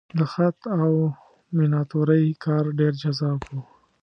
د خط او میناتورۍ کار ډېر جذاب و.